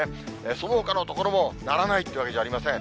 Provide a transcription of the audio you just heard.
そのほかの所もならないってわけじゃありません。